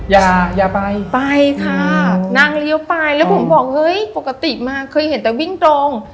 อย่าอย่าไปไปค่ะนางเลี้ยวไปแล้วผมบอกเฮ้ยปกติมาเคยเห็นแต่วิ่งตรง